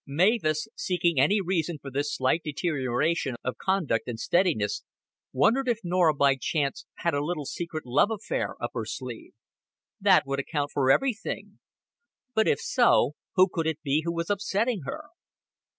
Mavis, seeking any reason for this slight deterioration of conduct and steadiness, wondered if Norah by chance had a little secret love affair up her sleeve. That would account for everything. But if so, who could it be who was upsetting her?